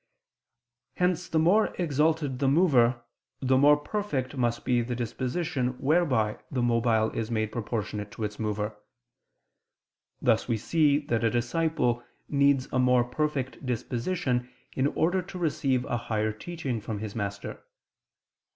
Hence the more exalted the mover, the more perfect must be the disposition whereby the mobile is made proportionate to its mover: thus we see that a disciple needs a more perfect disposition in order to receive a higher teaching from his master.